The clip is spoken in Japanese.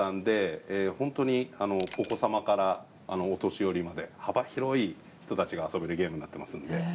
ホントにお子様からお年寄りまで幅広い人たちが遊べるゲームになってますんで。